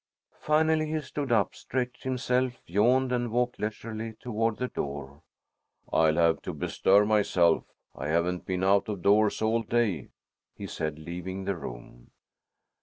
Finally he stood up, stretched himself, yawned, and walked leisurely toward the door. "I'll have to bestir myself. I haven't been out of doors all day," he said, leaving the room.